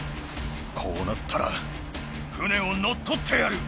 こうなったら、船を乗っ取ってやる。